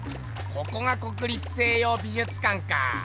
ここが国立西洋美術館か。